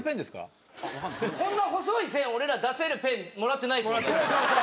こんな細い線俺ら出せるペンもらってないですもんね。